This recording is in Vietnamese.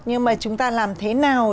nhưng mà chúng ta làm thế nào